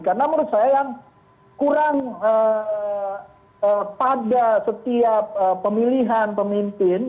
karena menurut saya yang kurang pada setiap pemilihan pemimpin